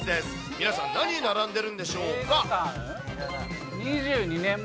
皆さん、何に並んでるんでしょう２２年前？